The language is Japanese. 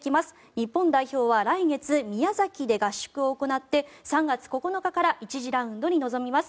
日本代表は来月、宮崎で合宿を行って３月９日から１次ラウンドに臨みます。